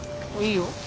いいよ。